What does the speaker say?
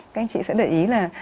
các anh chị sẽ để ý là